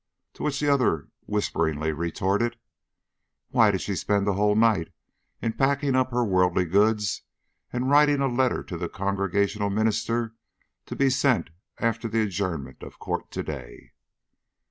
To which the other whisperingly retorted: "Why did she spend the whole night in packing up her worldly goods and writing a letter to the Congregational minister to be sent after the adjournment of court to day?"